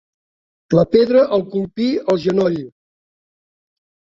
La pedra el colpí al genoll.